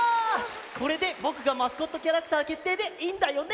これでぼくがマスコットキャラクターけっていでいいんだよね？